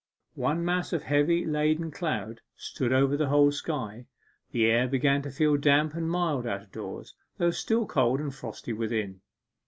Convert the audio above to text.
One mass of heavy leaden cloud spread over the whole sky; the air began to feel damp and mild out of doors, though still cold and frosty within.